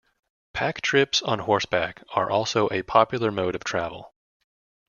Pack trips on horseback are also a popular mode of travel.